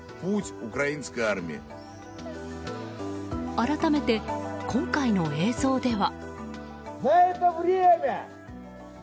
改めて、今回の映像では。